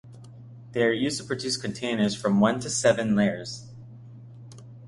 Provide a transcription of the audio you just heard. They are used to produce containers from one to seven layers.